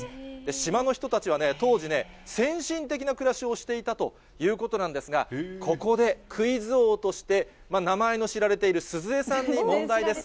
島の人たちは当時、先進的な暮らしをしていたということなんですが、ここでクイズ王として名前の知られている鈴江さんに問題です。